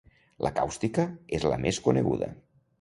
La càustica és la més coneguda.